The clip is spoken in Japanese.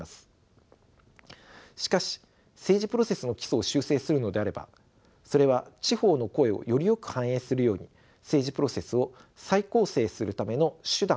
しかし政治プロセスの基礎を修正するのであればそれは地方の声をよりよく反映するように政治プロセスを再構成するための手段であるべきです。